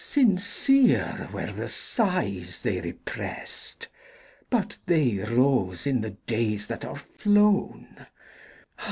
Sincere were the sighs they represt, But they rose in the days that are flown!